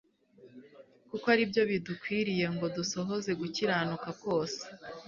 kuko ari byo bidukwiriye ngo dusohoze gukiranuka kose."